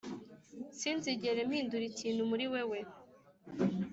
sinzigera mpindura ikintu muri wewe,